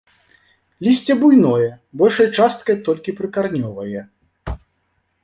Лісце буйное, большай часткай толькі прыкаранёвае.